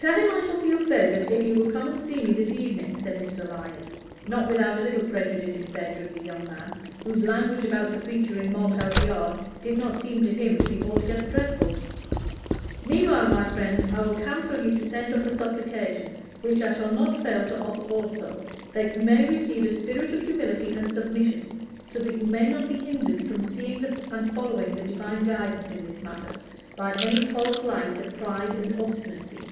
"Tell him I shall feel favored if he will come and see me this evening," said Mr. Lyon, not without a little prejudice in favor of the young man, whose language about the preacher in Malthouse Yard did not seem to him to be altogether dreadful. "Meanwhile, my friend, I counsel you to send up a supplication, which I shall not fail to offer also, that you may receive a spirit of humility and submission, so that you may not be hindered from seeing and following the Divine guidance in this matter by any false lights of pride and obstinacy.